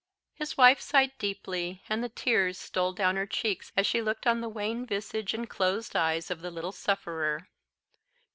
His wife sighed deeply, and the tears stole down her cheeks as she looked on the wan visage and closed eyes of the little sufferer.